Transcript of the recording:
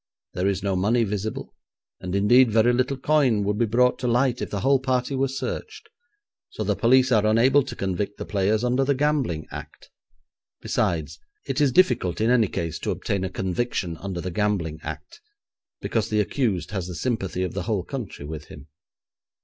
There is no money visible, and, indeed, very little coin would be brought to light if the whole party were searched; so the police are unable to convict the players under the Gambling Act. Besides, it is difficult in any case to obtain a conviction under the Gambling Act, because the accused has the sympathy of the whole country with him.